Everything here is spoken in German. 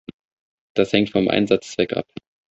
Das hängt vom Einsatzzweck ab.